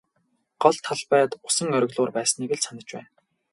Гол талбайд усан оргилуур байсныг л санаж байна.